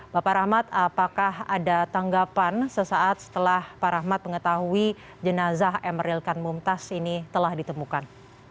bapak rahmat apakah ada tanggapan sesaat setelah pak rahmat mengetahui jenazah emeril kan mumtaz ini telah ditemukan